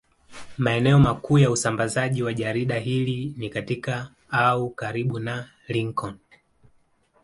Maeneo makuu ya usambazaji wa jarida hili ni katika au karibu na Lincoln.